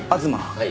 はい。